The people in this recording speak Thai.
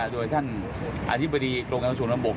โดยท่านอธิบดีกรมการของสวนลำบก